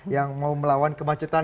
yang mau melawan kemacetan